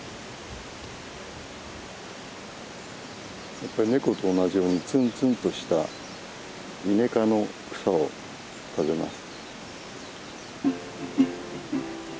やっぱりネコと同じようにツンツンとしたイネ科の草を食べます。